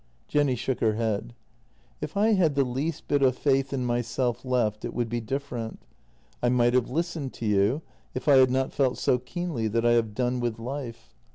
Jenny shook her head: " If I had the least bit of faith in myself left, it would be different. I might have listened to you if I had not felt so keenly that I have done with life.